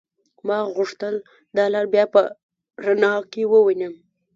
ما غوښتل دا لار بيا په رڼا کې ووينم.